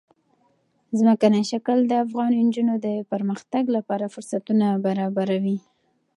ځمکنی شکل د افغان نجونو د پرمختګ لپاره فرصتونه برابروي.